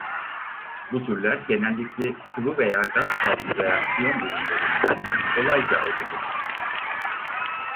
Bu türler genellikle sıvı veya gaz fazlı reaksiyon ürünlerinden kolayca ayrılır.